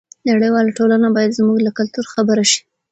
نړیواله ټولنه باید زموږ له کلتور خبره شي.